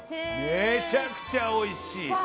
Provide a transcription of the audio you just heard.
めちゃくちゃおいしい！